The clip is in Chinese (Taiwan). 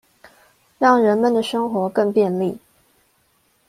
讓人們的生活更便利